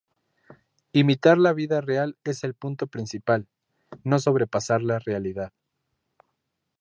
Imitar la vida real es el punto principal, no sobrepasar la realidad.